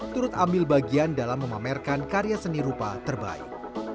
turut ambil bagian dalam memamerkan karya seni rupa terbaik